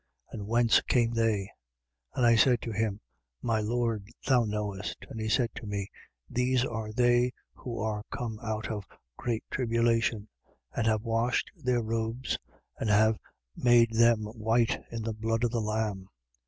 And whence came they? 7:14. And I said to him: My Lord, thou knowest. And he said to me: These are they who are come out of great tribulation and have washed their robes and have made them white in the blood of the Lamb.